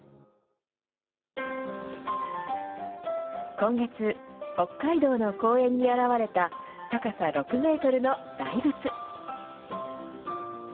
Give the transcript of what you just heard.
今月、北海道の公園に現れた高さ６メートルの大仏。